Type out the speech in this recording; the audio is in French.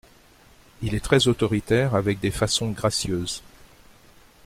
Il est très autoritaire avec des façons gracieuses.